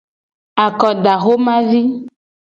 Akodaxomavi.